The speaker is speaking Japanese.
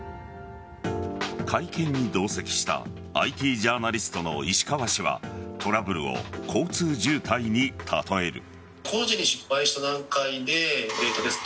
会見に同席したＩＴジャーナリストの石川氏はトラブルを交通渋滞に例える。